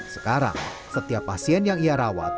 sekarang setiap pasien yang ia rawat